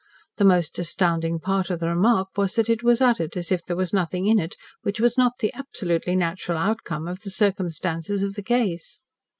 The most astounding part of the remark was that it was uttered as if there was nothing in it which was not the absolutely natural outcome of the circumstances of the case.